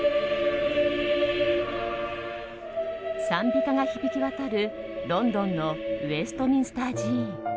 讃美歌が響き渡る、ロンドンのウェストミンスター寺院。